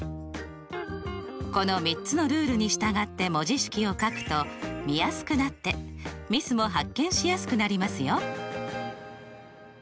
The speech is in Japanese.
この３つのルールに従って文字式を書くと見やすくなってミスも発見しやすくなりますよ。